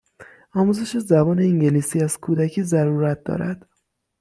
آموزش زبان انگلیسی از کودکی ضرورت دارد